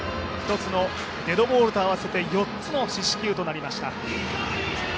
１つのデッドボールと合わせて４つの四死球となりました。